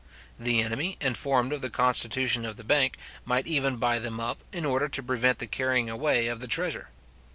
The enemy, informed of the constitution of the bank, might even buy them up, in order to prevent the carrying away of the treasure.